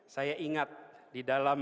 saya ingat di dalam